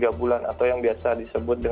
jadi ini adalah hal yang sangat penting